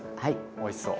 おいしそう。